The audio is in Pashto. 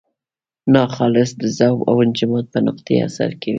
ناخالصې د ذوب او انجماد په نقطې اثر کوي.